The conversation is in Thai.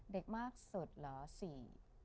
เด็กมากสุดเหรอสี่